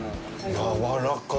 やわらか。